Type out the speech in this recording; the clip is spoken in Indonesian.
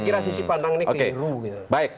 jadi itu yang penting